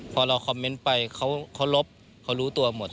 พอเราคอมเมนต์ไปเขาลบเขารู้ตัวหมด